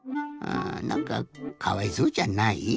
あぁなんかかわいそうじゃない？